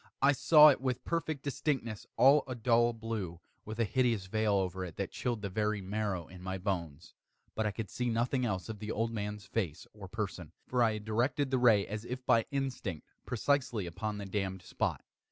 I saw it with perfect distinctness all a dull blue, with a hideous veil over it that chilled the very marrow in my bones; but I could see nothing else of the old man's face or person: for I had directed the ray as if by instinct, precisely upon the damned spot.